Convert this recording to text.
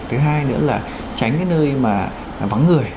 thứ hai nữa là tránh cái nơi mà vắng người